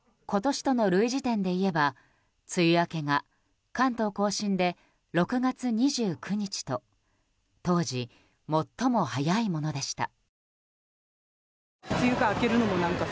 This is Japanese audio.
今年との類似点でいえば梅雨明けが関東・甲信で６月２９日と当時、最も早いものでした。